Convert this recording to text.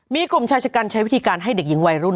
มีกลุ่มชายชะกันใช้วิธีการให้เด็กหญิงวัยรุ่น